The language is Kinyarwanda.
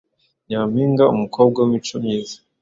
Nyampinga: umukobwa w’imico myiza